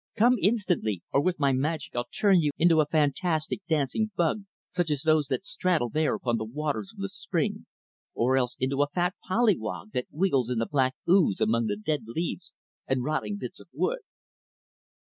Come, instantly; or with my magic I'll turn you into a fantastic, dancing bug, such as those that straddle there upon the waters of the spring, or else into a fat pollywog that wiggles in the black ooze among the dead leaves and rotting bits of wood."